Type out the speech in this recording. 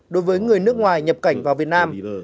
đối với người nước ngoài nhập cảnh vào việt nam